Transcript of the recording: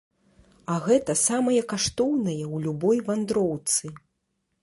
А гэта самае каштоўнае ў любой вандроўцы.